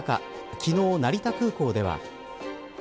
昨日、成田空港では。